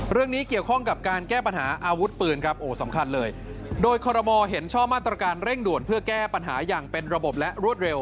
เรื่องนี้เกี่ยวข้องกับการแก้ปัญหาอาวุธปืนครับโอ้สำคัญเลยโดยคอรมอลเห็นชอบมาตรการเร่งด่วนเพื่อแก้ปัญหาอย่างเป็นระบบและรวดเร็ว